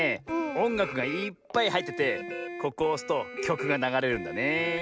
おんがくがいっぱいはいっててここをおすときょくがながれるんだねえ。